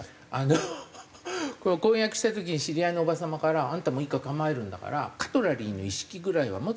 婚約した時に知り合いのおば様から「あんたも一家構えるんだからカトラリーの一式ぐらいは持つものよ」